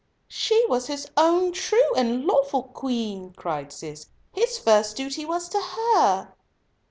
"She was his own true and lawful Queen," cried Cis. "His first duty was to her."